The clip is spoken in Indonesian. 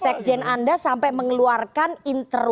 sekjen anda sampai mengeluarkan interup